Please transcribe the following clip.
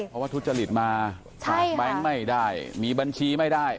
เพราะว่าทุจริตมาฝากแบงค์ไม่ได้มีบัญชีไม่ได้